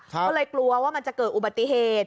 ก็เลยกลัวว่ามันจะเกิดอุบัติเหตุ